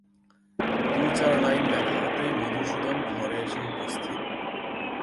দু-চার line লেখা হতেই মধুসূদন ঘরে এসে উপস্থিত।